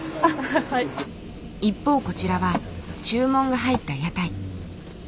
一方こちらは注文が入った屋台。